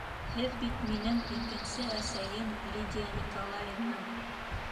Һеҙ бит минең икенсе әсәйем, Лидия Николаевна!